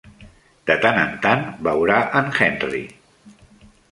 De tant en tant veurà en Henry.